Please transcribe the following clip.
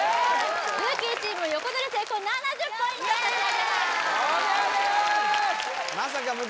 ルーキーチーム横取り成功７０ポイント差し上げます